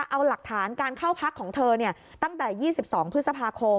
เอาหลักฐานการเข้าพักของเธอตั้งแต่๒๒พฤษภาคม